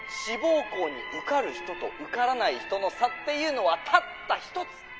志望校に受かる人と受からない人の差っていうのはたった１つ。